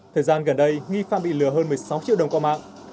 thời gian gần đây nghi phạm bị lừa hơn một mươi sáu triệu đồng qua mạng